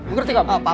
ngerti gak pak